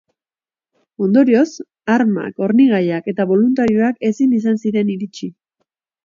Ondorioz, armak, hornigaiak eta boluntarioak ezin izan ziren iritsi.